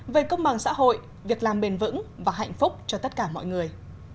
về công bằng xã hội việc làm bền vững và hạnh phúc cho tất cả mọi người